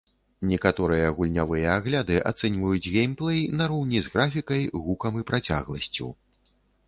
Некаторыя гульнявыя агляды ацэньваюць геймплэй нароўні з графікай, гукам і працягласцю.